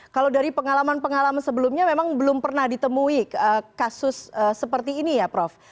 kalau dari pengalaman pengalaman sebelumnya memang belum pernah ditemui kasus seperti ini ya prof